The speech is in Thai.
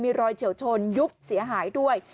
มีรอยเฉียวชนยุบเสียหายด้วย